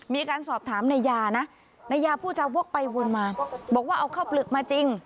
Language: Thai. มีการสอบถามนายยานะนายยาผู้จาวกไปวนมาบอกว่าเอาข้าวเปลือกมาจริง